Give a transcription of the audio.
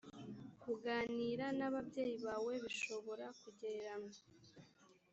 kuganira n ababyeyi bawe bishobora kugereranywa